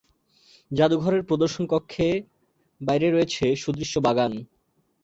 জাদুঘরের প্রদর্শন কক্ষের বাইরে রয়েছে সুদৃশ্য বাগান।